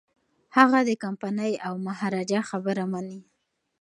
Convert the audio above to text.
هغه د کمپانۍ او مهاراجا خبره مني.